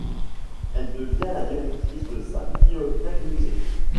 Elle devient la directrice de sa Bibliothèque-musée.